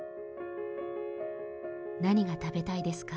何が食べたいですか？